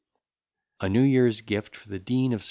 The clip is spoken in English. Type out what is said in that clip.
A NEW YEAR'S GIFT FOR THE DEAN OF ST.